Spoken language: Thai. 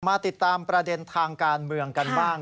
มาติดตามประเด็นทางการเมืองกันบ้าง